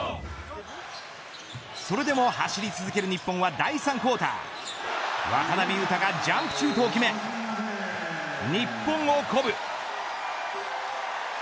それでも走り続ける日本は第３クオーター渡邊雄太がジャンプシュートを決め日本を鼓舞。